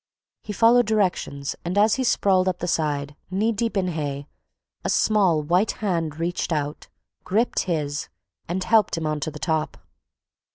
He followed directions and as he sprawled up the side, knee deep in hay, a small, white hand reached out, gripped his, and helped him onto the top.